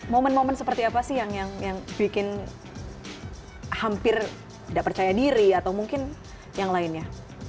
momen momen seperti apa sih yang bikin hampir tidak percaya diri atau mungkin yang lainnya